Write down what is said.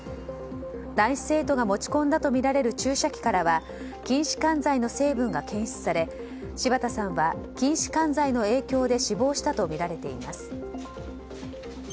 男子生徒が持ち込んだとみられる注射器からは筋弛緩剤の成分が検出され柴田さんは筋弛緩剤の影響で死亡したとみられています。